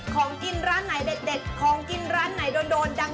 ของกินร้านไหนเด็ดของกินร้านไหนโดนจัง